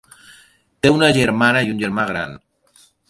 Té una germana i un germà gran.